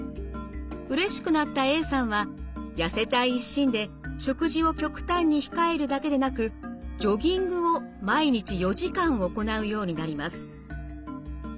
うれしくなったＡさんは痩せたい一心で食事を極端に控えるだけでなくジョギングを毎日４時間行うようになります。